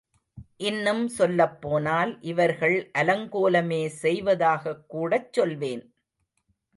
இன்னும் சொல்லப்போனால் இவர்கள் அலங்கோலமே செய்வதாகக்கூடச் சொல்வேன்.